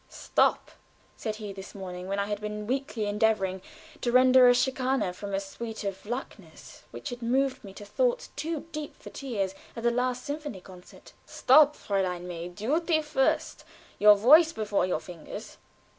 "Stop!" said he this morning, when I had been weakly endeavoring to render a ciacconna from a suite of Lachner's, which had moved me to thoughts too deep for tears at the last symphonie concert. "Stop, Fräulein May! Duty first; your voice before your fingers."